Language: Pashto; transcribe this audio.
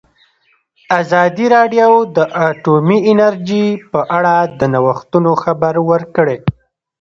ازادي راډیو د اټومي انرژي په اړه د نوښتونو خبر ورکړی.